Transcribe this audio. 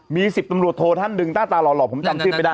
มีสิบตำรวจโทรท่านหนึ่งหน้าตาหล่อหล่อผมจำชื่นไปได้